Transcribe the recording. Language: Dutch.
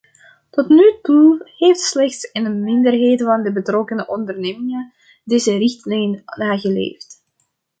Tot nu toe heeft slechts een minderheid van de betrokken ondernemingen deze richtlijn nageleefd.